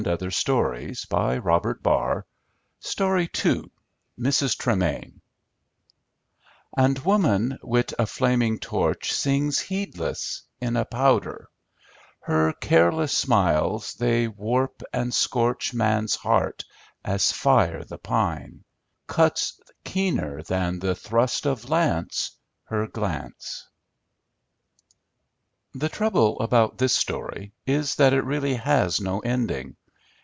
This is a portrait of my mother." Mrs. Tremain "And Woman, wit a flaming torch Sings heedless, in a powder mine Her careless smiles they warp and scorch Man's heart, as fire the pine Cuts keener than the thrust of lance Her glance" The trouble about this story is that it really has no ending.